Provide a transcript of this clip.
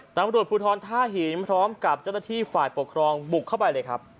ตำรวจภูทรท่าหินพร้อมกับเจ้าหน้าที่ฝ่ายปกครองบุกเข้าไปเลยครับ